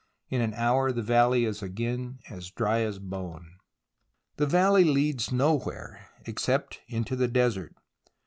In an hour the valley is again as dry as a bone. The valley leads nowhere, except into the desert.